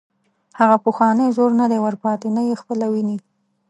هغه پخوانی زور نه دی ور پاتې، ته یې خپله ویني.